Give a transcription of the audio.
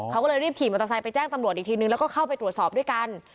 เขาก็เลยรีบขี่มอเตอร์ไซค์ไปแจ้งตำรวจอีกทีนึงแล้วก็เข้าไปตรวจสอบด้วยกัน